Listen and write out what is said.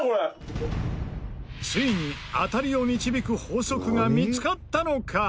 ついに当たりを導く法則が見つかったのか？